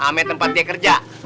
ame tempat dia kerja